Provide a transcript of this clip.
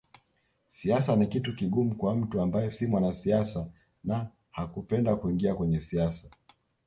Siasa ni kitu kigumu kwa mtu ambaye si mwanasiasa na hakupenda kuingia kwenye siasa